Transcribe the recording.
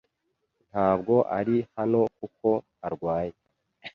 Ntabwo ari hano kuko arwaye.